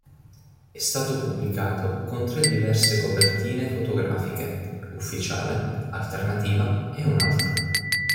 È stato pubblicato con tre diverse copertine fotografiche: ufficiale, alternativa e un'altra.